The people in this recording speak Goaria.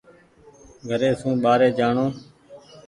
گھري سون ٻآري جآڻو۔